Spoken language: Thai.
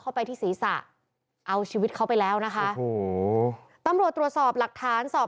ไปที่ศีรษะเอาชีวิตเขาไปแล้วนะคะโอ้โหตำรวจตรวจสอบหลักฐานสอบ